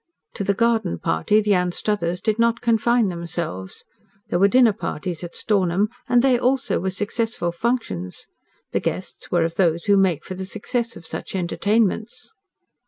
To the garden party the Anstruthers did not confine themselves. There were dinner parties at Stornham, and they also were successful functions. The guests were of those who make for the success of such entertainments.